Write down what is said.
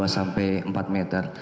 dua sampai empat meter